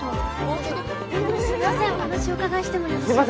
すいませんお話お伺いしてもよろしいですか。